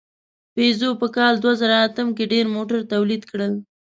پيژو په کال دوهزرهاتم کې ډېر موټر تولید کړل.